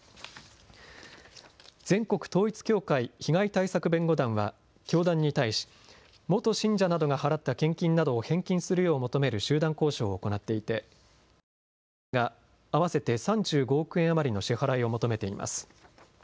全国統一教会被害対策弁護団は教団に対し元信者などが払った献金などを返金するよう求める集団交渉を行っていて１０９人が合わせて３５億円余りの支払いを求めています。